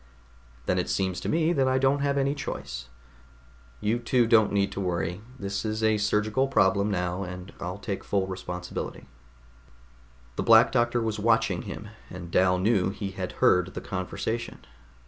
"Then it seems to me that I don't have any choice. You two don't need to worry. This is a surgical problem now, and I'll take full responsibility." The Black Doctor was watching him, and Dal knew he had heard the conversation.